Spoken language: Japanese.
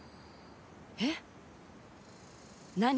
えっ？何？